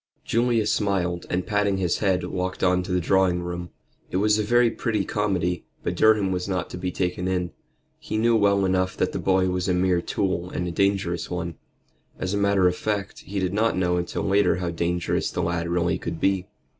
Julius smiled and patting his head, walked on to the drawing room. It was a very pretty comedy, but Durham was not to be taken in. He knew well enough that the boy was a mere tool and a dangerous one. As a matter of fact, he did not know until later how dangerous the lad really could be.